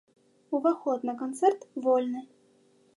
Уваход на канцэрт вольны.